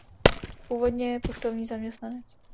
Původně poštovní zaměstnanec.